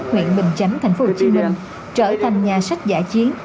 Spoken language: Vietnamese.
huyện bình chánh tp hcm trở thành nhà sách giả chiến